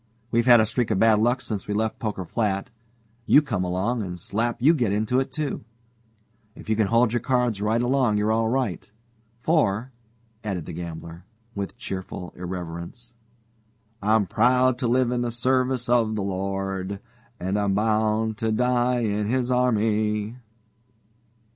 We've had a streak of bad luck since we left Poker Flat you come along, and slap you get into it, too. If you can hold your cards right along you're all right. For," added the gambler, with cheerful irrelevance, "'I'm proud to live in the service of the Lord, And I'm bound to die in His army.'"